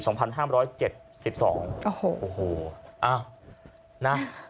โอ้โหอ้าวนะ